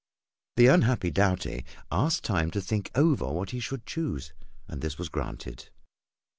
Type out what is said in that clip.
The unhappy Doughty asked time to think over what he should choose, and this was granted.